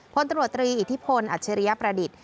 พลตรวจตรีอิทธิพลอัจฉริยประดิษฐ์